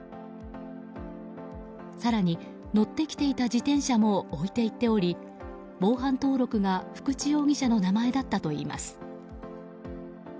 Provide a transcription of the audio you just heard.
更に、乗ってきていた自転車も置いていっており防犯登録が福地容疑者の名前だったといいます。